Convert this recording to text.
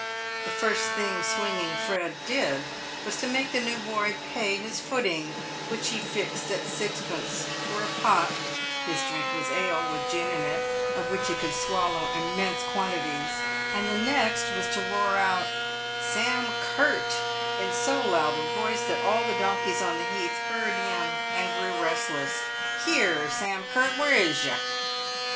The first thing Swinging Fred did was to make the new boy pay his footing, which he fixed at sixpence, for a pot (his drink was ale, with gin in it, of which he could swallow immense quantities), and the next Was to roar out, " Sam Curt" in so loud a voice that all the donkeys on the heath heard him and grew restless. "Here, Sam Curt! "Where is yer